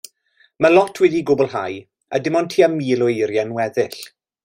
Mae lot wedi'i gwblhau a dim ond tua mil o eiriau'n weddill.